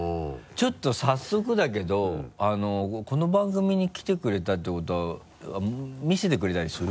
ちょっと早速だけどこの番組に来てくれたってことは見せてくれたりする？